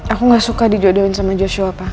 aku gak suka dijodohin sama joshua apa